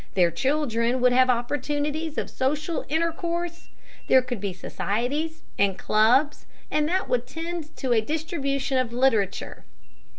Their children would have opportunities of social intercourse, there could be societies and clubs, and that would tend to a distribution of literature.